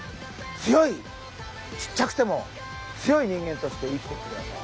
強いちっちゃくても強い人間として生きていってください。